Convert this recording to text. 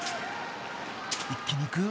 一気に行く！